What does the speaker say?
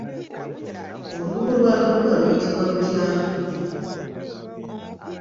Olubugo lwa lubuga luyitibwa lutya?